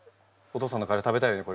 お父さんのカレー食べたいよね